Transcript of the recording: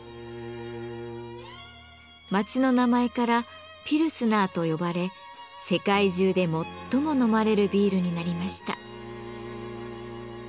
街の名前から「ピルスナー」と呼ばれ世界中で最も飲まれるビールになりました。